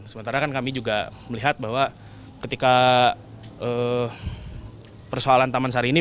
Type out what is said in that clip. sementara kan kami juga melihat bahwa ketika persoalan taman sari ini